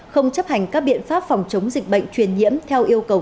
không chấp hành các biện pháp phòng chống dịch bệnh truyền nhiễm theo yêu cầu